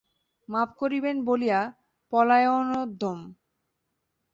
মাপ করবেন বলিয়া পলায়নোদ্যম।